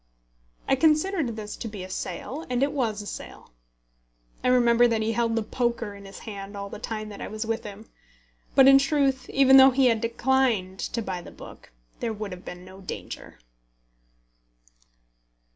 I considered this to be a sale, and it was a sale. I remember that he held the poker in his hand all the time that I was with him; but in truth, even though he had declined to buy the book, there would have been no danger.